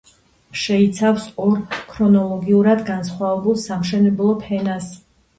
შეიცავს ორ ქრონოლოგიურად განსხვავებულ სამშენებლო ფენას.